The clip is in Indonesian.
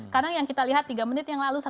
karena yang kita lihat tiga menit yang lalu